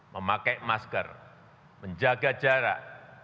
memakai masker menjaga jarak